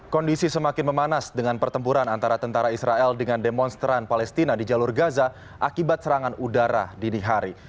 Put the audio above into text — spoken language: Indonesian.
kondisi semakin memanas dengan pertempuran antara tentara israel dengan demonstran palestina di jalur gaza akibat serangan udara dini hari